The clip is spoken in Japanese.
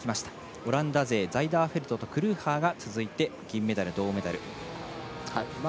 オランダ勢のザイダーフェルト続いて銀メダル、銅メダル。